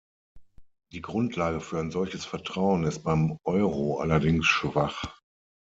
Die Grundlage für ein solches Vertrauen ist beim Euro allerdings schwach.